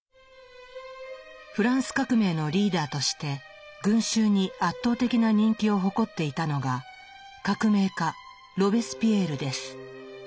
フランス革命のリーダーとして群衆に圧倒的な人気を誇っていたのが革命家ロベスピエールです。